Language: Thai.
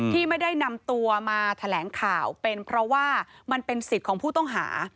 ที่ไม่ได้นำตัวมาแถลงข่าวเป็นเพราะว่ามันเป็นสิทธิ์ของผู้ต้องหา